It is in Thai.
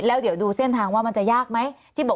แล้วเดี๋ยวดูเส้นทางว่ามันจะยากไหม